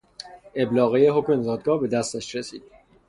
ابلاغیهٔ حکم دادگاه به دستش رسید